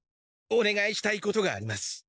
おねがいしたいことがあります。